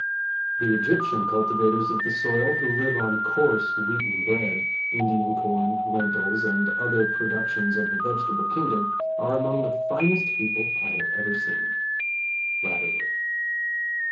'The Egyptian cultivators of the soil, who live on coarse wheaten bread, Indian corn, lentils, and other productions of the vegetable kingdom, are among the finest people I have even seen. Latherwood.'